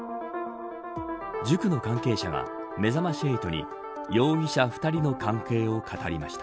塾の関係者がめざまし８に容疑者２人の関係を語りました。